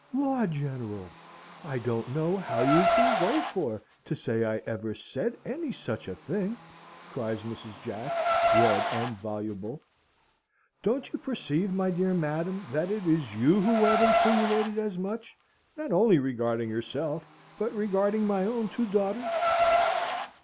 "Law, General! I don't know how you can go for to say I ever said any such a thing!" cries Mrs. Jack, red and voluble. "Don't you perceive, my dear madam, that it is you who have insinuated as much, not only regarding yourself, but regarding my own two daughters?"